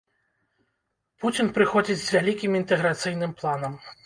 Пуцін прыходзіць з вялікім інтэграцыйным планам.